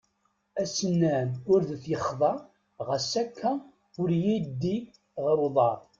Asennan ur d ixḍa ɣas akka ur yi-iddi ɣer uḍar.